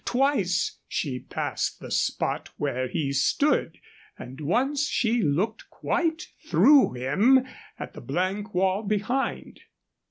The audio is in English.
Twice she passed the spot where he stood, and once she looked quite through him at the blank wall behind.